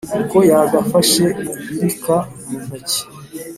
uko yagafashe ibirika mu ntoki,